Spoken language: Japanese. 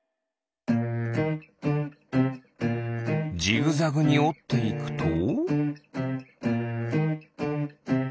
ジグザグにおっていくと。